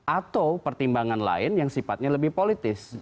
atau pertimbangan lain yang sifatnya lebih politis